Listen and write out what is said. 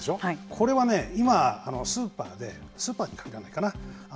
これはね今スーパーでスーパーに限らないかな。